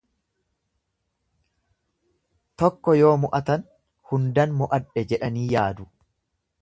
Tokko yoo mo'atan hundan mo'adhe jedhanii yaadu.